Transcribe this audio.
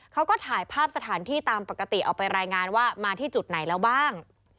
เขาก็ถ่ายภาพสถานที่ตามปกติเอาไปรายงานว่ามาที่จุดไหนแล้วบ้าง